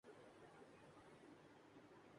پاکستان اور سری لنکا کی one day series کا غاز کل سے ہو گا